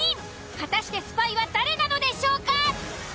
果たしてスパイは誰なのでしょうか？